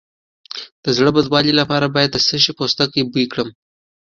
د زړه بدوالي لپاره باید د څه شي پوستکی بوی کړم؟